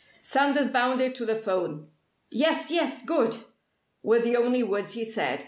Sanders bounded to the 'phone. "Yes yes good!" were the only words he said.